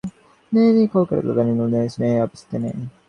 যৌবনারম্ভের পূর্বে থেকেই সে আছে কলকাতায়, দাদার নির্মল স্নেহের আবেষ্টনে।